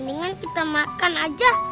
mendingan kita makan aja